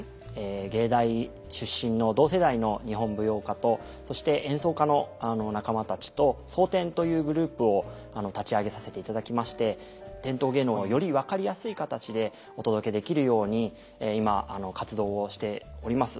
藝大出身の同世代の日本舞踊家とそして演奏家の仲間たちと「蒼天」というグループを立ち上げさせていただきまして伝統芸能をより分かりやすい形でお届けできるように今活動をしております。